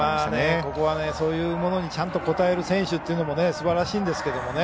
ここは、そういうところにちゃんと応える選手というのもすばらしいんですけどね。